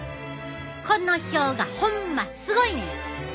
この表がほんますごいねん！